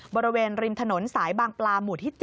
บริเวณริมถนนสายบางปลาหมู่ที่๗